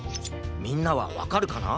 みんなはわかるかな？